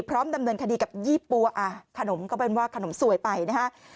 ดำเนินคดีกับยี่ปัวขนมก็เป็นว่าขนมสวยไปนะฮะ